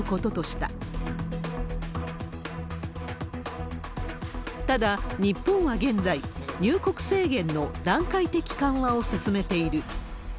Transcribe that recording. ただ、日本は現在、入国制限の段階的緩和を進めている。